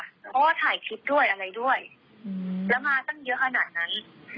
เพราะว่าถ่ายคลิปด้วยอะไรด้วยแล้วมาตั้งเยอะขนาดนั้น